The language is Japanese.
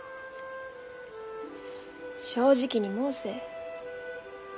正直に申せ。